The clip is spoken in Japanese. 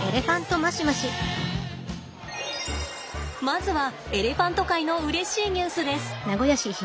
まずはエレファント界のうれしいニュースです。